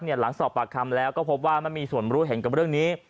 หลังสอบปากคำแล้วก็พบว่าไม่มีส่วนรู้เห็นกับเรื่องนี้